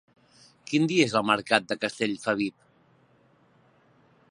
Quin dia és el mercat de Castellfabib?